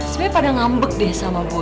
sebenernya pada ngambek deh sama boy